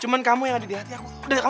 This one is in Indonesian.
cuma kamu yang ada di hati aku